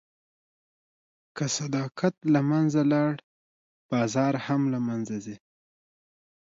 که صداقت له منځه لاړ، بازار هم له منځه ځي.